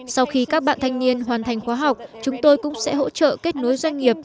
sau khi các bạn thanh niên hoàn thành khóa học chúng tôi cũng sẽ hỗ trợ kết nối doanh nghiệp